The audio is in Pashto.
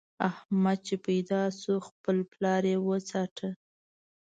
احمد چې پيدا شو؛ خپل پلار يې وڅاټه.